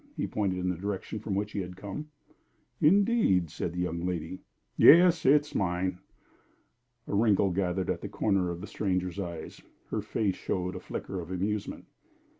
He pointed in the direction from which he had just come. "Indeed!" said the young lady. "Yes. It's mine." A wrinkle gathered at the corners of the stranger's eyes; her face showed a flicker of amusement.